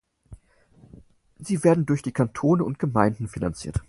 Sie werden durch die Kantone und Gemeinden finanziert.